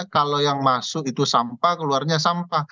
kalau yang masuk itu sampah keluarnya sampah